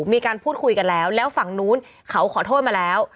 มีการพูดคุยกันแล้วแล้วฝั่งนู้นเขาขอโทษมาแล้ว